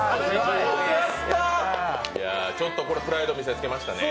これ、プライド見せつけましたね。